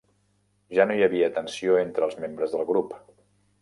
Ja no hi havia tensió entre els membres del grup.